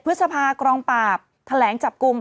พฤษภากองปราบแถลงจับกลุ่ม